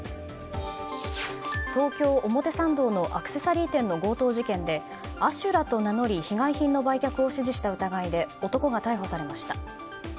東京・表参道のアクセサリー店の強盗事件で阿修羅と名乗り被害品の売却を支持した疑いで男が逮捕されました。